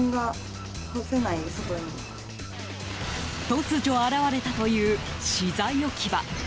突如、現れたという資材置き場。